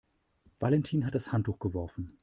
Valentin hat das Handtuch geworfen.